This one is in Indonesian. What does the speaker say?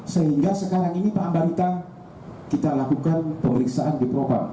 sehingga sekarang ini pak ambarita kita lakukan pemeriksaan di propam